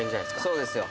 「そうですよ」